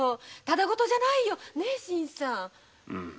ただ事じゃないよ新さん。